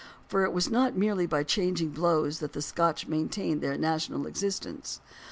For it was not merely by chang ing blows that the Scotch maintained their national existence.